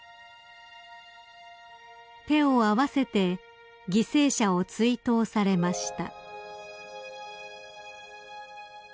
［手を合わせて犠牲者を追悼されました］